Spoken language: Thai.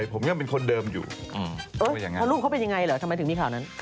ก็มีไง